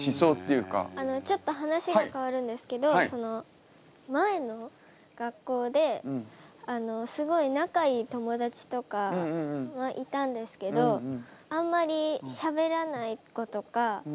あのちょっと話が変わるんですけど前の学校ですごい仲いい友達とかはいたんですけどあんまりしゃべらない子とか。